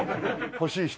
欲しい人。